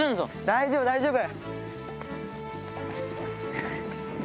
大丈夫、大丈夫。